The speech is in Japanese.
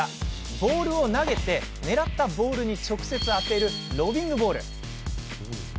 ボールを投げて狙ったボールに直接、当てるロビングボール。